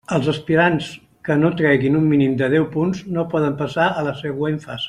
Els aspirants que no treguin un mínim de deu punts no poden passar a la següent fase.